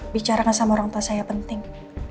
bicara sama orang tua saya penting